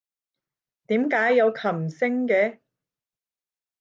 點解有琴聲嘅？